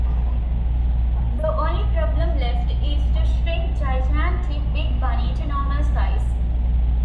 The only problem left is to shrink gigantic Big Bunny to normal size.